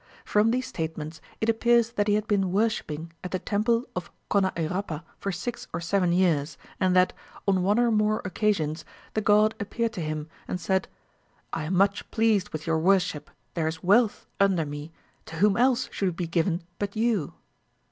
From these statements it appears that he had been worshipping at the temple of Kona Irappa for six or seven years, and that, on one or more occasions, the god appeared to him, and said: 'I am much pleased with your worship. There is wealth under me. To whom else should it be given but you?'